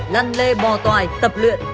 lăn lê bò tòi tập luyện